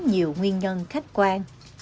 nhiều nguyên nhân khách quan